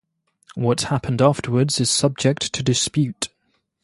What happened afterwards is subject to dispute.